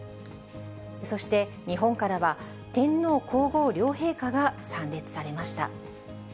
そして日本からは天皇皇后両陛下が参列されました。